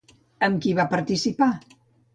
Amb qui va participar?